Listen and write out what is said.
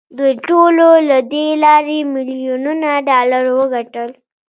دوی ټولو له دې لارې میلیونونه ډالر وګټل